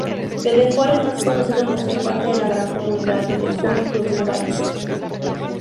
Bedford es más conocido por ser parte de la gran comunidad Bedford-Stuyvesant.